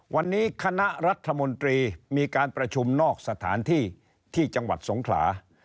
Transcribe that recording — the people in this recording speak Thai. วันนี้คณะรัฐมนตรีมีการประชุมนอกสถานที่ที่จังหวัดสงขลา